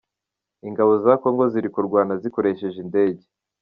Ingabo za Congo ziri kurwana zikoresheje indege.